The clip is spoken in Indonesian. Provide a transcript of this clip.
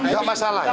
gak masalah ya